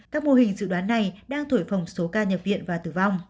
các mô hình dự đoán này đang thổi phồng số ca nhập viện và tử vong